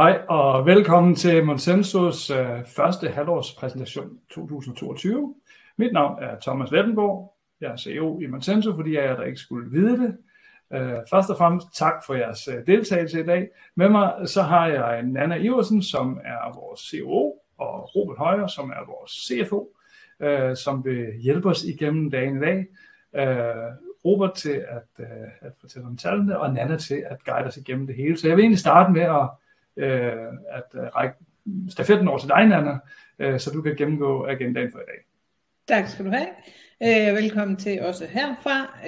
Hej og velkommen til Monsensos første halvårspræsentation 2022. Mit navn er Thomas Lethenborg. Jeg er CEO i Monsenso for de af jer, der ikke skulle vide det. Først og fremmest tak for jeres deltagelse i dag. Med mig så har jeg Nanna Iversen, som er vores COO, og Robert Højer, som er vores CFO, som vil hjælpe os igennem dagen i dag. Robert til at fortælle om tallene og Nanna til at guide os igennem det hele. Så jeg vil egentlig starte med at række stafetten over til dig, Nanna, så du kan gennemgå agendaen for i dag. Tak skal du have. Velkommen til også herfra.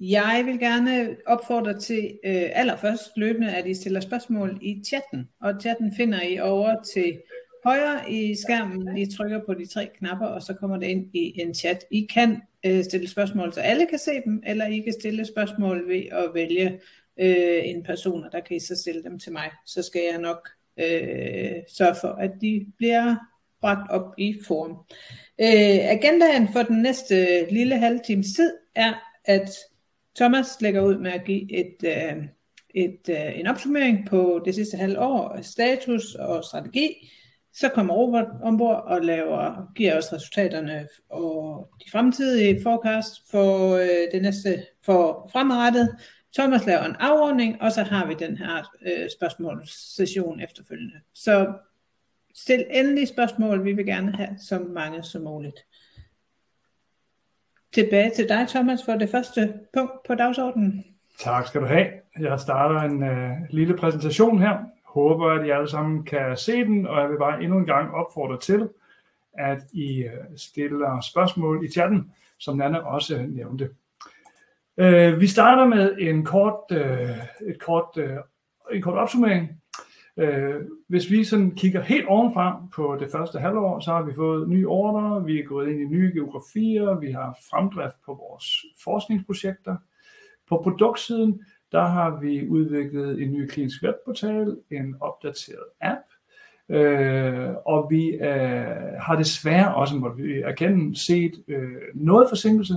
Jeg vil gerne opfordre til, allerførst løbende, at I stiller spørgsmål i chatten, og chatten finder I ovre til højre i skærmen. I trykker på de tre knapper, og så kommer det ind i en chat. I kan stille spørgsmål, så alle kan se dem, eller I kan stille spørgsmål ved at vælge en person, og der kan I så stille dem til mig. Så skal jeg nok sørge for, at de bliver bragt op i forum. Agendaen for den næste lille halve times tid er, at Thomas lægger ud med at give en opsummering på det sidste halve år, status og strategi. Så kommer Robert ombord og laver, giver os resultaterne og de fremtidige forecasts for det næste, for fremadrettet. Thomas laver en afrunding, og så har vi den her spørgsmålssession efterfølgende. Så stil endelig spørgsmål. Vi vil gerne have så mange som muligt. Tilbage til dig, Thomas, for det første punkt på dagsordenen. Tak skal du have. Jeg starter en lille præsentation her. Håber, at I alle sammen kan se den, og jeg vil bare endnu en gang opfordre til, at I stiller spørgsmål i chatten, som Nanna også nævnte. Vi starter med en kort opsummering. Hvis vi sådan kigger helt ovenfra på det første halve år, så har vi fået nye ordrer, vi er gået ind i nye geografier, vi har fremdrift på vores forskningsprojekter. På produktsiden, der har vi udviklet en ny klinisk webportal, en opdateret app, og vi har desværre også måttet erkende set noget forsinkelse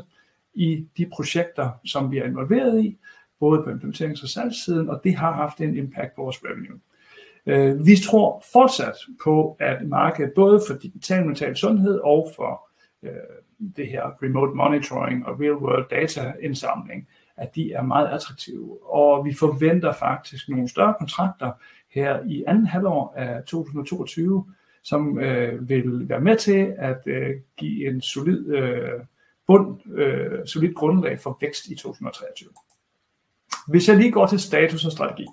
i de projekter, som vi er involveret i, både på implementerings- og salgssiden, og det har haft en impact på vores revenue. Vi tror fortsat på, at markedet både for digital mental sundhed og for det her remote monitoring og Real World Data indsamling at de er meget attraktive, og vi forventer faktisk nogle større kontrakter her i andet halvår af 2022, som vil være med til at give et solidt grundlag for vækst i 2023. Hvis jeg lige går til status og strategi.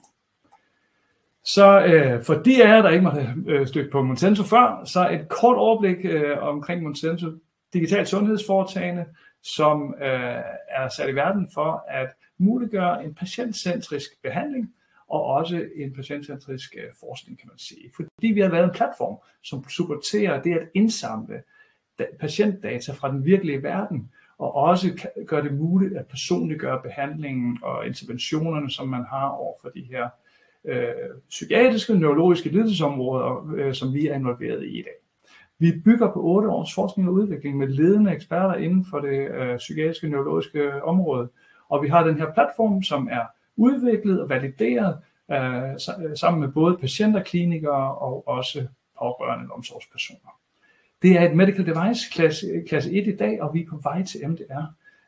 For de af jer, der ikke har stødt på Monsenso før, et kort overblik omkring Monsenso. Digitalt sundhedsforetagende, som er sat i verden for at muliggøre en patientcentrisk behandling og også en patientcentrisk forskning, kan man sige. Fordi vi har lavet en platform, som supporterer det at indsamle patientdata fra den virkelige verden og også gør det muligt at personliggøre behandlingen og interventionerne, som man har over for de her psykiatriske neurologiske lidelsesområder, som vi er involveret i i dag. Vi bygger på 8 års forskning og udvikling med ledende eksperter inden for det psykiatriske neurologiske område, og vi har den her platform, som er udviklet og valideret sammen med både patienter, klinikere og også pårørende omsorgspersoner. Det er et medicinsk udstyr klasse I i dag, og vi er på vej til MDR,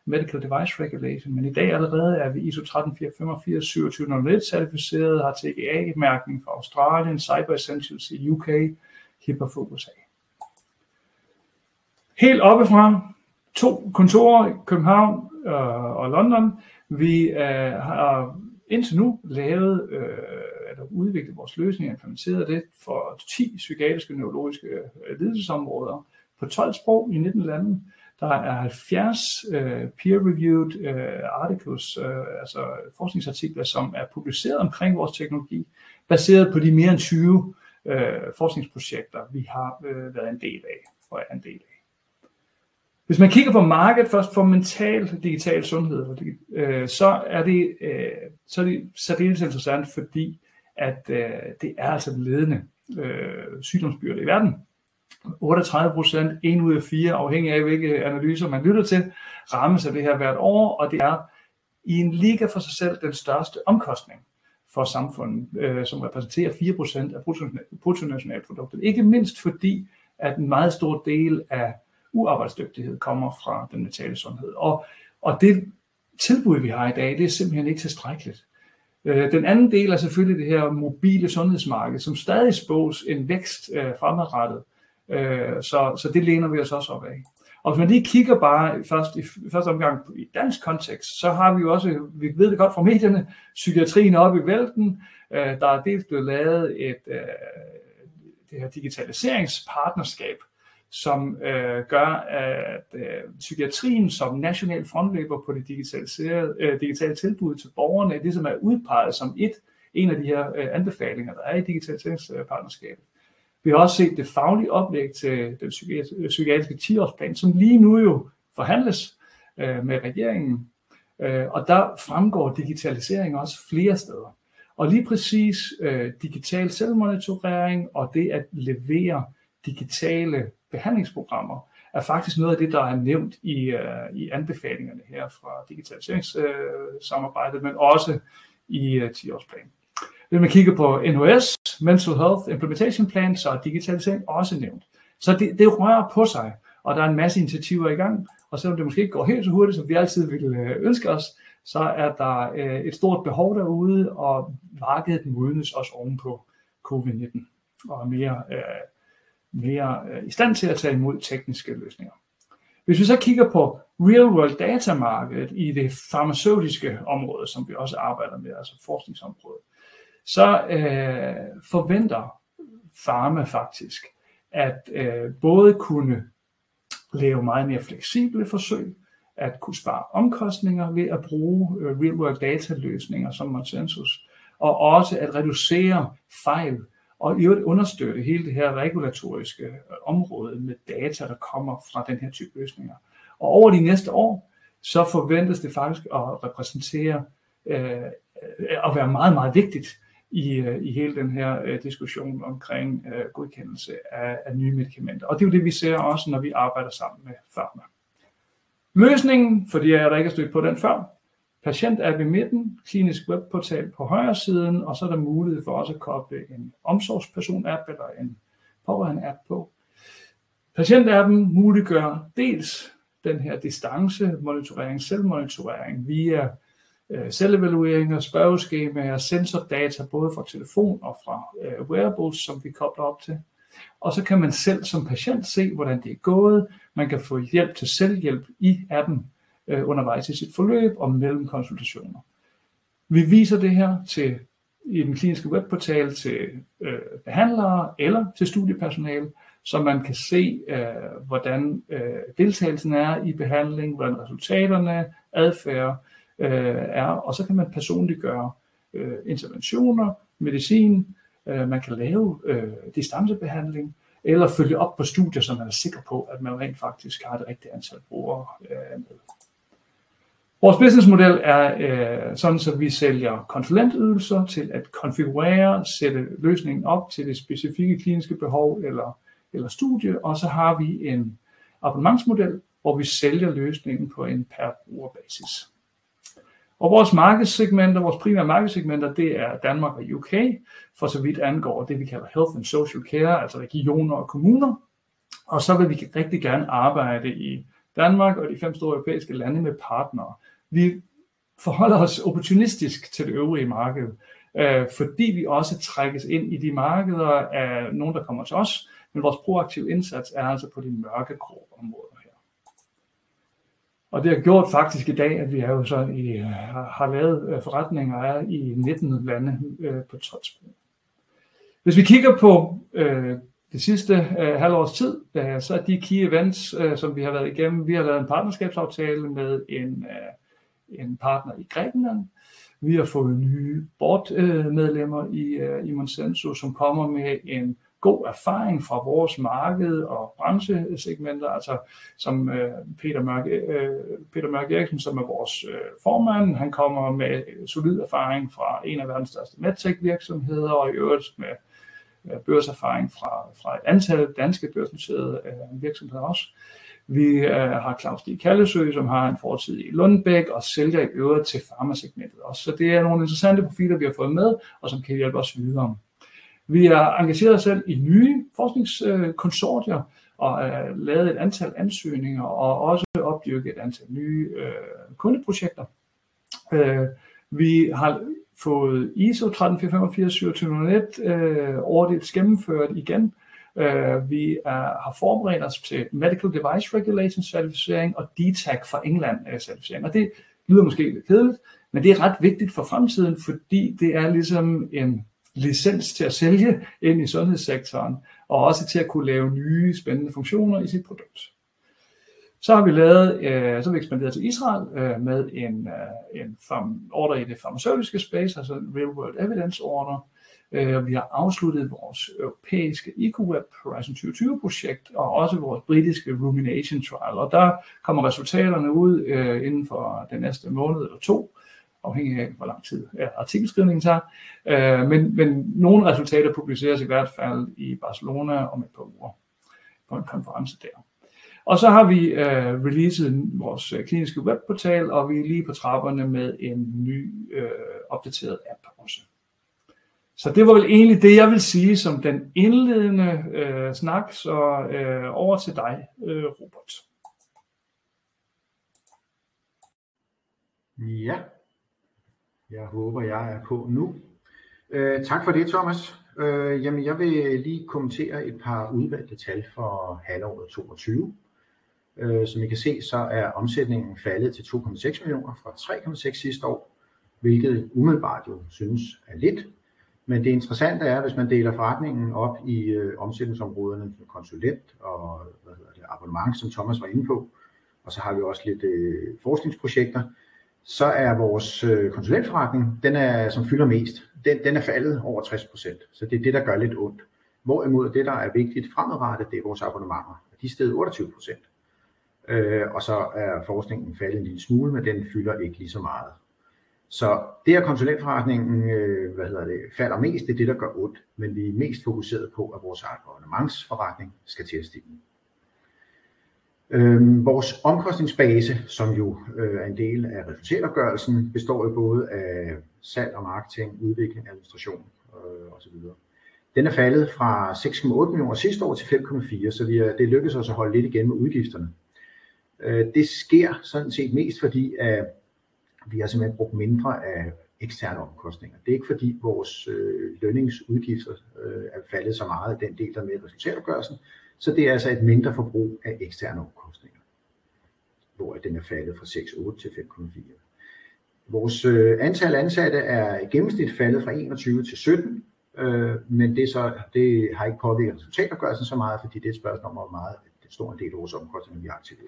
Medical Device Regulation, men i dag allerede er vi ISO 13485 27001 certificeret, har TGA mærkning fra Australien, Cyber Essentials i UK, HIPAA fra USA. Helt oppe fra. To kontorer i København og London. Vi har indtil nu lavet, eller udviklet vores løsning og implementeret det for 10 psykiatriske neurologiske lidelsesområder på 12 sprog i 19 lande. Der er 75 peer reviewed articles, altså forskningsartikler, som er publiceret omkring vores teknologi, baseret på de mere end 20 forskningsprojekter, vi har været en del af og er en del af. Hvis man kigger på markedet først for mental digital sundhed, så er det særdeles interessant, fordi at det er altså den ledende sygdomsbyrde i verden. 38%, en ud af fire, afhængigt af hvilke analyser man lytter til, rammes af det her hvert år, og det er i en liga for sig selv den største omkostning for samfundet, som repræsenterer 4% af bruttonationalproduktet. Ikke mindst fordi at en meget stor del af uarbejdsdygtighed kommer fra den mentale sundhed. Det tilbud, vi har i dag, det er simpelthen ikke tilstrækkeligt. Den anden del er selvfølgelig det her mobile sundhedsmarked, som stadig spås en vækst fremadrettet. Så det læner vi os også op ad. Hvis man lige kigger bare først i første omgang i dansk kontekst, så har vi jo også, vi ved det godt fra medierne, psykiatrien oppe i vælten. Der er dels blevet lavet et digitaliseringspartnerskab, som gør, at psykiatrien som national frontløber på det digitaliserede digitale tilbud til borgerne, det som er udpeget som en af de her anbefalinger, der er i digitaliseringspartnerskabet. Vi har også set det faglige oplæg til den psykiatriske tiårsplan, som lige nu jo forhandles med regeringen, og der fremgår digitalisering også flere steder. Lige præcis digital selvmonitorering og det at levere digitale behandlingsprogrammer er faktisk noget af det, der er nævnt i anbefalinger her fra digitaliseringspartnerskabet, men også i tiårsplanen. Hvis man kigger på NHS Mental Health Implementation Plan, så er digitalisering også nævnt. Så det rører på sig, og der er en masse initiativer i gang. Selvom det måske ikke går helt så hurtigt, som vi altid ville ønske os, så er der et stort behov derude, og markedet modnes også ovenpå COVID-19 og er mere i stand til at tage imod tekniske løsninger. Hvis vi så kigger på Real World Data markedet i det farmaceutiske område, som vi også arbejder med, altså forskningsområdet, så forventer Pharma faktisk at både kunne lave meget mere fleksible forsøg, at kunne spare omkostninger ved at bruge Real World Data løsninger som Monsenso og også at reducere fejl og i øvrigt understøtte hele det her regulatoriske område med data, der kommer fra den her type løsninger. Og over de næste år, så forventes det faktisk at repræsentere, at være meget vigtigt i hele den her diskussion omkring godkendelse af nye medikamenter. Og det er jo det, vi ser også, når vi arbejder sammen med Pharma. Løsningen for de af jer, der ikke er stødt på den før. Patientapp i midten, klinisk webportal på højresiden og så er der mulighed for også at koble en omsorgsperson-app eller en pårørende-app på. Patientappen muliggør dels den her distance monitorering, selvmonitorering via selvevalueringer, spørgeskemaer, sensordata både fra telefon og fra wearables, som vi kobler op til. Kan man selv som patient se, hvordan det er gået. Man kan få hjælp til selvhjælp i appen undervejs i sit forløb og mellem konsultationer. Vi viser det her til i den kliniske webportal til behandlere eller til studiepersonale, så man kan se, hvordan deltagelsen er i behandling, hvordan resultaterne er, adfærd er, og så kan man personliggøre interventioner, medicin. Man kan lave distancebehandling eller følge op på studier, så man er sikker på, at man rent faktisk har det rigtige antal brugere med. Vores business model er sådan, så vi sælger konsulentydelser til at konfigurere, sætte løsningen op til det specifikke kliniske behov eller studie. Har vi en abonnementsmodel, hvor vi sælger løsningen på en per bruger basis. Vores markedssegmenter, vores primære markedssegmenter, det er Danmark og UK. For så vidt angår det vi kalder health and social care, altså regioner og kommuner. Så vil vi rigtig gerne arbejde i Danmark og de fem store europæiske lande med partnere. Vi forholder os opportunistisk til det øvrige marked, fordi vi også trækkes ind i de markeder af nogle, der kommer til os. Vores proaktive indsats er altså på de mørkegrå områder her. Det har gjort faktisk i dag, at vi jo så har lavet forretninger i 19 lande på 12 måneder. Hvis vi kigger på det sidste halve års tid, så de key events, som vi har været igennem. Vi har lavet en partnerskabsaftale med en partner i Grækenland. Vi har fået nye boardmedlemmer i Monsenso, som kommer med en god erfaring fra vores marked og branchesegmenter, altså som Peter Mørch Eriksen, som er vores formand. Han kommer med solid erfaring fra en af verdens største medtech virksomheder og i øvrigt med børserfaring fra et antal danske børsnoterede virksomheder også. Vi har Claus Stig Kallesøe, som har en fortid i Lundbeck og sælger i øvrigt til Pharma-segmentet også. Så det er nogle interessante profiler, vi har fået med, og som kan hjælpe os videre. Vi har engageret os selv i nye forskningskonsortier og lavet et antal ansøgninger og også opdyrket et antal nye kundeprojekter. Vi har fået ISO 13485 og ISO 27001 årligt gennemført igen. Vi har forberedt os til Medical Device Regulation certificering og DTAC fra England certificering, og det lyder måske lidt kedeligt, men det er ret vigtigt for fremtiden, fordi det er ligesom en licens til at sælge ind i sundhedssektoren og også til at kunne lave nye spændende funktioner i sit produkt. Så har vi lavet, så er vi ekspanderet til Israel med en order i det farmaceutiske space, altså en Real World Evidence order. Vi har afsluttet vores europæiske ECoWeB Horizon 2020 projekt og også vores britiske Rumination Trial, og der kommer resultaterne ud inden for den næste måned eller to, afhængigt af hvor lang tid artikelskrivningen tager. Men nogle resultater publiceres i hvert fald i Barcelona om et par uger på en konference der. Så har vi releaset vores kliniske webportal, og vi er lige på trapperne med en ny opdateret app også. Det var vel egentlig det, jeg ville sige som den indledende snak. Over til dig, Robert. Ja, jeg håber, jeg er på nu. Tak for det, Thomas. Jamen jeg vil lige kommentere et par udvalgte tal for halvåret 2022. Som I kan se, så er omsætningen faldet til 2.6 millioner fra 3.6 millioner sidste år, hvilket umiddelbart jo synes er lidt. Men det interessante er, at hvis man deler forretningen op i omsætningsområderne konsulent og abonnement, som Thomas var inde på, og så har vi også lidt forskningsprojekter, så er vores konsulentforretning, den er, som fylder mest. Den er faldet over 60%, så det er det, der gør lidt ondt. Hvorimod det der er vigtigt fremadrettet, det er vores abonnementer. De er steget 28%. Og så er forskningen faldet en lille smule, men den fylder ikke lige så meget. Så det at konsulentforretningen falder mest, det er det, der gør ondt. Vi er mest fokuseret på, at vores eget abonnementsforretning skal til at stige. Vores omkostningsbase, som jo er en del af resultatopgørelsen, består jo både af salg og marketing, udvikling, administration og så videre. Den er faldet fra 6.8 millioner sidste år til 5.4, så det er lykkedes os at holde lidt igen med udgifterne. Det sker sådan set mest fordi, at vi har simpelthen brugt mindre af eksterne omkostninger. Det er ikke fordi vores lønningsudgifter er faldet så meget, den del er med i resultatopgørelsen, så det er altså et mindre forbrug af eksterne omkostninger, hvor at den er faldet fra 6.8 til 5.4. Vores antal ansatte er i gennemsnit faldet fra 21 til 17, men det har ikke påvirket resultatopgørelsen så meget, fordi det er et spørgsmål om, hvor meget en stor andel af vores omkostninger vi har til det.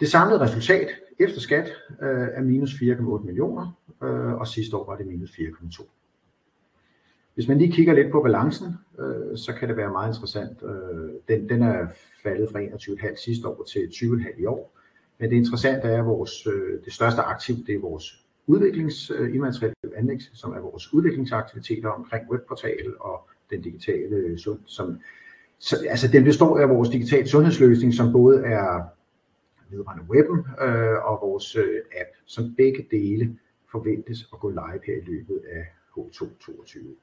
Det samlede resultat efter skat er -4.8 millioner, og sidste år var det -4.2. Hvis man lige kigger lidt på balancen, så kan det være meget interessant. Den er faldet fra 21.5 millioner sidste år til 20.5 millioner i år. Det interessante er, at vores det største aktiv, det er vores udviklings immaterielle anlæg, som er vores udviklingsaktiviteter omkring webportal og den digitale sundhed. Altså den består af vores digitale sundhedsløsning, som både er vedrørende webben og vores app, som begge dele forventes at gå live her i løbet af H2 2022.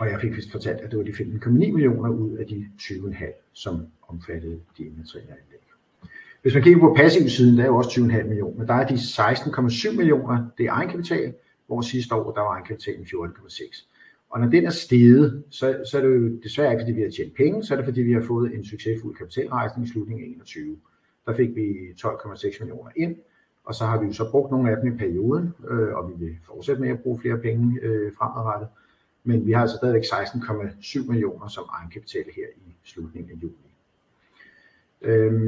Jeg fik vist fortalt, at det var 5.9 million ud af de 20.5, som omfattede de immaterielle anlæg. Hvis man kigger på passivsiden, der er jo også 20.5 million, men der er 16.7 million, det er egenkapital, hvor sidste år der var egenkapitalen 14.6. Og når den er steget, så er det jo desværre ikke, fordi vi har tjent penge. Så er det fordi vi har fået en succesfuld kapitalrejsning i slutningen af 2021. Der fik vi 12.6 million ind, og så har vi jo så brugt nogle af dem i perioden, og vi vil fortsætte med at bruge flere penge fremadrettet. Men vi har altså stadigvæk 16.7 million som egenkapital her i slutningen af juni.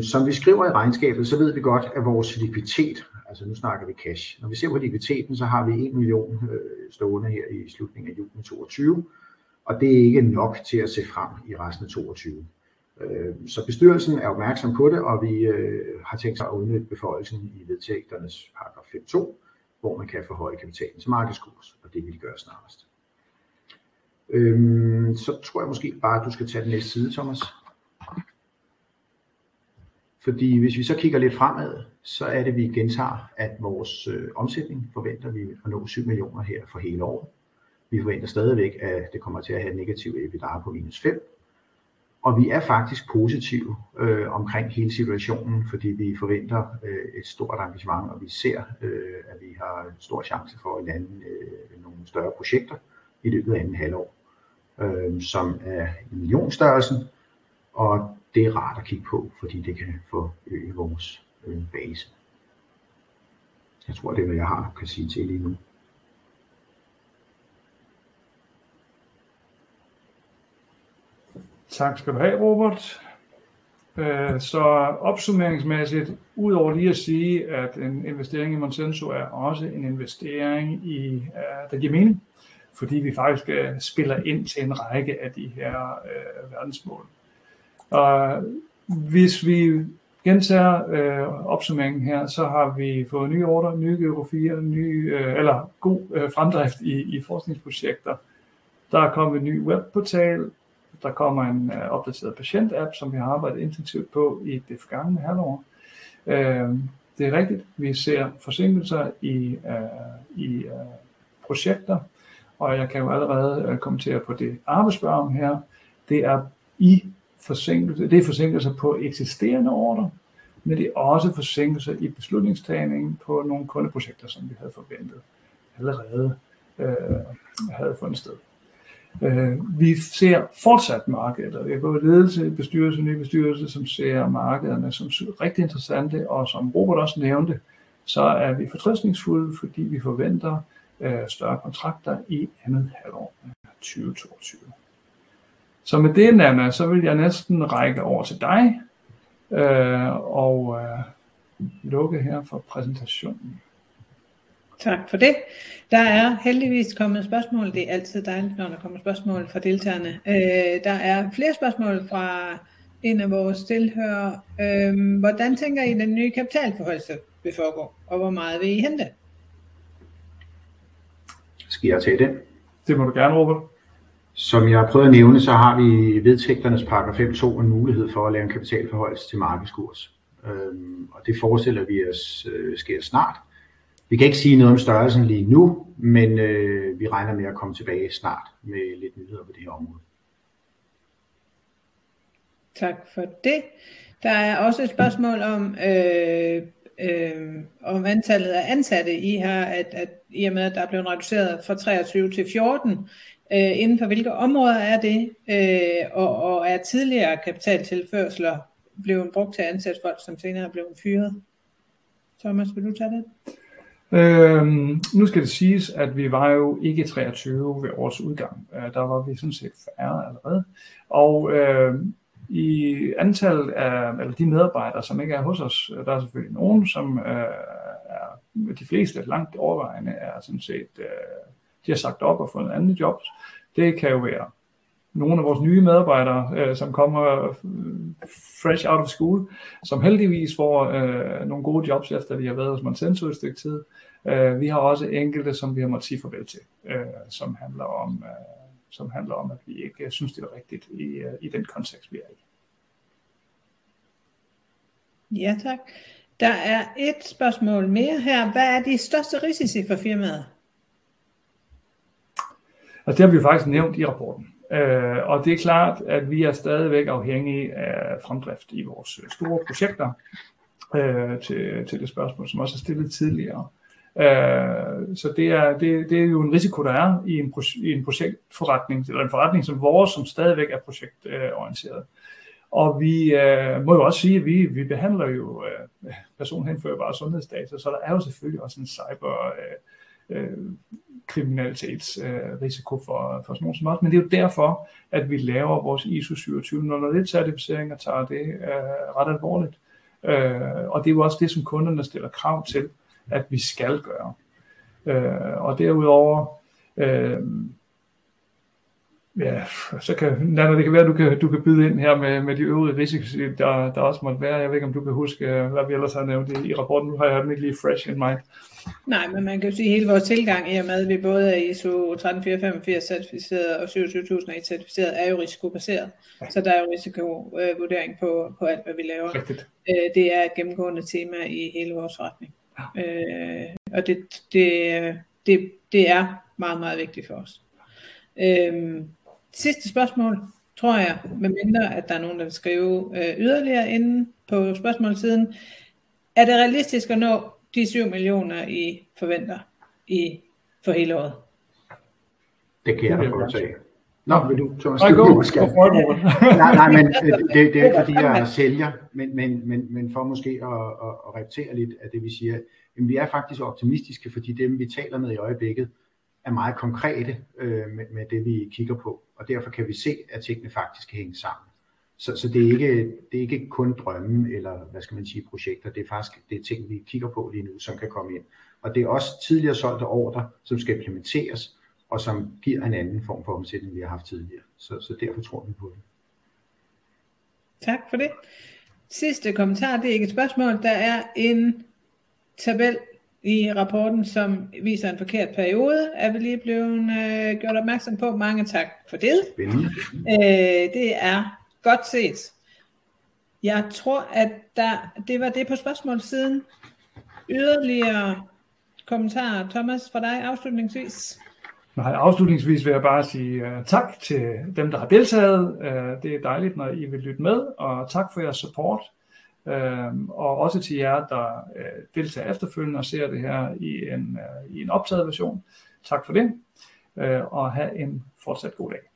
Som vi skriver i regnskabet, så ved vi godt, at vores likviditet, altså nu snakker vi cash. Når vi ser på likviditeten, så har vi 1 million stående her i slutningen af juni 2022, og det er ikke nok til at se frem i resten af 2022. Bestyrelsen er opmærksom på det, og vi har tænkt os at udnytte beføjelsen i vedtægternes paragraf 5.2, hvor man kan forhøje kapitalen til markedskurs, og det vil vi gøre snarest. Tror jeg måske bare, at du skal tage den næste side, Thomas. Fordi hvis vi så kigger lidt fremad, så er det vi gentager, at vores omsætning forventer vi at nå 7 million her for hele året. Vi forventer stadigvæk, at det kommer til at have et negativt EBITDA på -5, og vi er faktisk positive omkring hele situationen, fordi vi forventer et stort engagement, og vi ser, at vi har en stor chance for at lande nogle større projekter i løbet af andet halvår, som er i millionstørrelsen. Det er rart at kigge på, fordi det kan forøge vores base. Jeg tror, det er hvad jeg har at sige til lige nu. Tak skal du have, Robert. Opsummeringsmæssigt udover lige at sige, at en investering i Monsenso er også en investering i, der giver mening, fordi vi faktisk spiller ind til en række af de her verdensmål. Hvis vi gentager opsummeringen her, så har vi fået nye ordrer, nye geografier, ny eller god fremdrift i forskningsprojekter. Der er kommet en ny webportal. Der kommer en opdateret patientapp, som vi har arbejdet intensivt på i det forgangne halvår. Det er rigtigt, vi ser forsinkelser i projekter, og jeg kan jo allerede kommentere på det arbejdsspørgsmål her. Det er i forsinkelse. Det er forsinkelser på eksisterende ordrer, men det er også forsinkelser i beslutningstagningen på nogle kundeprojekter, som vi havde forventet allerede havde fundet sted. Vi ser fortsat markeder i både ledelse, bestyrelse og ny bestyrelse, som ser markederne som rigtig interessante. Som Robert også nævnte, så er vi fortrøstningsfulde, fordi vi forventer større kontrakter i andet halvår 2022. Med det, Nanna, så vil jeg næsten række over til dig og lukke her for præsentationen. Tak for det. Der er heldigvis kommet spørgsmål. Det er altid dejligt, når der kommer spørgsmål fra deltagerne. Der er flere spørgsmål fra en af vores tilhørere. Hvordan tænker I den nye kapitalforhøjelse vil foregå, og hvor meget vil I hente? Skal jeg tage den? Det må du gerne, Robert. Jeg har prøvet at nævne, så har vi i vedtægternes paragraf 5 2 en mulighed for at lave en kapitalforhøjelse til markedskurs, og det forestiller vi os sker snart. Vi kan ikke sige noget om størrelsen lige nu, men vi regner med at komme tilbage snart med lidt nyheder på det her område. Tak for det. Der er også et spørgsmål om antallet af ansatte I har, at I og med at der er blevet reduceret fra 23 til 14. Inden for hvilke områder er det, og er tidligere kapitaltilførsler blevet brugt til at ansætte folk, som senere er blevet fyret? Thomas, vil du tage den? Nu skal det siges, at vi var jo ikke 23 ved årets udgang. Der var vi sådan set færre allerede, og i antallet af de medarbejdere, som ikke er hos os. Der er selvfølgelig nogle, som er. De fleste, langt overvejende, er sådan set de, der har sagt op og fundet andet job. Det kan jo være nogle af vores nye medarbejdere, som kommer fresh out of school, som heldigvis får nogle gode jobs, efter de har været hos Monsenso et stykke tid. Vi har også enkelte, som vi har måttet sige farvel til, som handler om, at vi ikke synes, det var rigtigt i den kontekst, vi er i. Ja tak. Der er et spørgsmål mere her. Hvad er de største risici for firmaet? Det har vi faktisk nævnt i rapporten, og det er klart, at vi er stadigvæk afhængige af fremdrift i vores store projekter. Til det spørgsmål, som også er stillet tidligere, så det er jo en risiko, der er i en projektforretning eller en forretning som vores, som stadigvæk er projektorienteret. Vi må jo også sige, at vi behandler jo personhenførbare sundhedsdata, så der er jo selvfølgelig også en cyberkriminalitetsrisiko for sådan noget som os. Men det er jo derfor, at vi laver vores ISO 27001-certificering og tager det ret alvorligt. Det er jo også det, som kunderne stiller krav til, at vi skal gøre. Derudover, ja, du kan byde ind her med de øvrige risici, der også måtte være. Jeg ved ikke, om du kan huske, hvad vi ellers har nævnt i rapporten. Nu har jeg den ikke lige fresh in min. Nej, men man kan jo sige hele vores tilgang, i og med at vi både er ISO 13485-certificerede og ISO 27001-certificeret, er jo risikobaseret, så der er jo risikovurdering på alt hvad vi laver. Det er et gennemgående tema i hele vores forretning, og det. Det er meget vigtigt for os. Sidste spørgsmål tror jeg. Medmindre at der er nogen der vil skrive yderligere inde på spørgsmål siden. Er det realistisk at nå 7 millioner vi forventer i år for hele året? Det kan jeg godt tage. Nå, vil du Thomas? Nej, men det er ikke fordi jeg er sælger. Men for måske at gentage lidt af det vi siger. Vi er faktisk optimistiske, fordi dem vi taler med i øjeblikket er meget konkrete med det, vi kigger på, og derfor kan vi se, at tingene faktisk kan hænge sammen. Det er ikke kun drømme, eller hvad skal man sige projekter. Det er faktisk de ting, vi kigger på lige nu, som kan komme ind. Og det er også tidligere solgte ordrer, som skal implementeres, og som giver en anden form for omsætning, vi har haft tidligere. Så derfor tror vi på det. Tak for det. Sidste kommentar. Det er ikke et spørgsmål. Der er en tabel i rapporten, som viser en forkert periode, er vi lige blevet gjort opmærksom på. Mange tak for det. Det er godt set. Jeg tror, at det var det på spørgsmål siden. Yderligere kommentarer, Thomas, fra dig afslutningsvis. Nej. Afslutningsvis vil jeg bare sige tak til dem, der har deltaget. Det er dejligt, når I vil lytte med og tak for jeres support og også til jer der deltager efterfølgende og ser det her i en optaget version. Tak for det og hav en fortsat god dag.